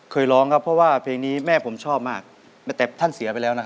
เราก็หลับครั้งอาณายการอาศึกและหลาย